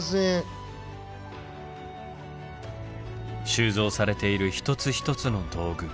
収蔵されている一つ一つの道具。